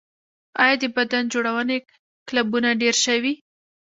آیا د بدن جوړونې کلبونه ډیر شوي؟